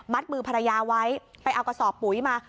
มือภรรยาไว้ไปเอากระสอบปุ๋ยมา